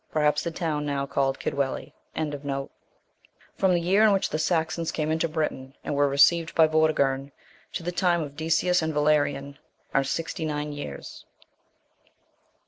Perhaps the town now called Kidwelly. From the year in which the Saxons came into Britain, and were received by Vortigern, to the time of Decius and Valerian, are sixty nine years.